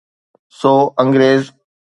سو انگريز.